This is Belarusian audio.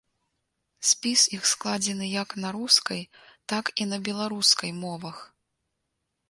Спіс іх складзены як на рускай, так і на беларускай мовах.